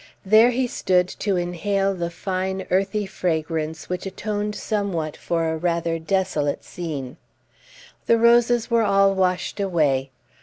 There he stood to inhale the fine earthy fragrance which atoned somewhat for a rather desolate scene. The roses were all washed away.